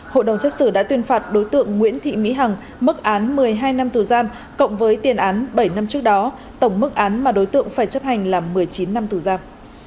hội đồng xét xử đã tuyên phạt đối tượng nguyễn thị mỹ hằng mức án một mươi hai năm tù giam cộng với tiền án bảy năm trước đó tổng mức án mà đối tượng phải chấp hành là một mươi chín năm tù giam